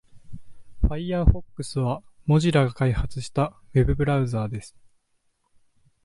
Firefox は Mozilla が開発したウェブブラウザーです。